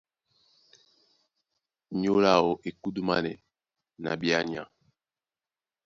Nyólo áō e kúdúmánɛ́ na ɓeánya.